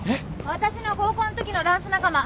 私の高校のときのダンス仲間。